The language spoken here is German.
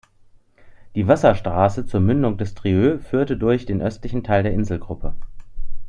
Die Wasserstraße zur Mündung des Trieux führt durch den östlichen Teil der Inselgruppe.